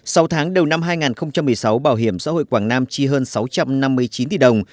sau tháng đầu năm hai nghìn một mươi sáu bảo hiểm xã hội quảng nam chi hơn sáu trăm năm mươi chín tỷ đồng